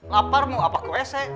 lapar mau apa ke esek